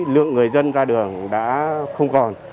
lượng người dân ra đường đã không còn